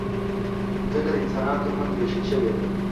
مځکه د انسانانو ترمنځ وېشل شوې ده.